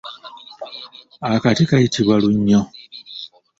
Akati kayitibwa lunnyo.